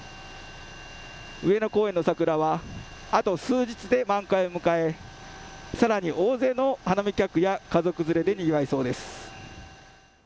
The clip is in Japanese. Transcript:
上野公園の桜は、あと数日で満開を迎え、さらに大勢の花見客や家族連れでにぎわいそうです。